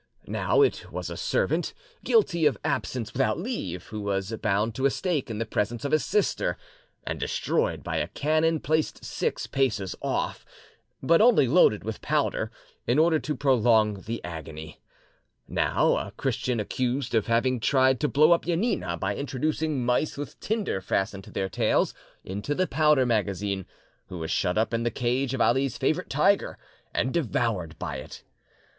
Now it was a servant, guilty of absence without leave, who was bound to a stake in the presence of his sister, and destroyed by a cannon placed six paces off, but only loaded with powder, in order to prolong the agony; now, a Christian accused of having tried to blow up Janina by introducing mice with tinder fastened to their tails into the powder magazine, who was shut up in the cage of Ali's favourite tiger and devoured by it.